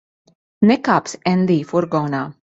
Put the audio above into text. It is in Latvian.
Nekāpsi Endija furgonā.